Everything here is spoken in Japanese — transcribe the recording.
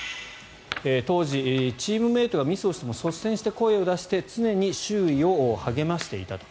当時チームメートがミスをしても率先して声を出して常に周囲を励ましていたと。